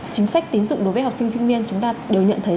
chính sách tín dụng đối với học sinh sinh viên chúng ta đều nhận thấy